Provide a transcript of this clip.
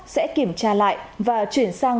sẽ kiểm tra lại và chuyển sang